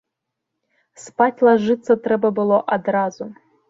Спаць лажыцца трэба было адразу.